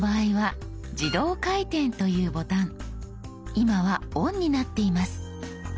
今は「ＯＮ」になっています。